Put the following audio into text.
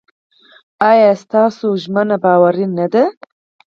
ایا ستاسو ژمنه باوري نه ده؟